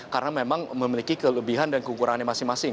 karena memang memiliki kelebihan dan kekurangannya masing masing